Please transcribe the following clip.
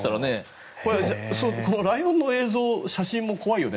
ライオンの映像写真も怖いよね。